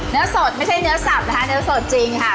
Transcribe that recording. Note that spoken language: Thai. เนื้อสดไม่ใช่เนื้อสับนะคะเนื้อสดจริงค่ะ